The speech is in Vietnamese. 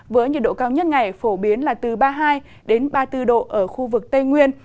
với nhiệt độ cao nhất ngày phổ biến là từ ba mươi hai ba mươi bốn độ ở khu vực tây nguyên